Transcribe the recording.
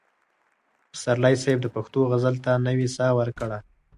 پسرلي صاحب د پښتو غزل ته نوې ساه ورکړه.